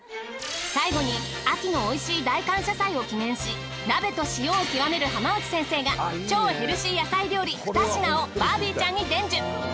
最後に秋の美味しい大感謝祭を記念し鍋と塩を極める浜内先生が超ヘルシー野菜料理２品をバービーちゃんに伝授。